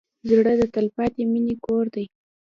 زړه د تلپاتې مینې کور دی.